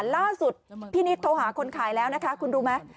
ล่าสุดพี่นิดโทรหาคนขายแล้วนะคะคุณรู้ไหม